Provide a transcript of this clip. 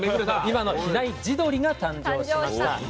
今の比内地鶏が誕生しました。